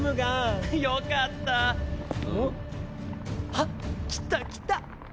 はっ来た来た！